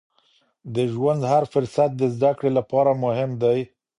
د ژوند هر فرصت د زده کړې لپاره مهم دی.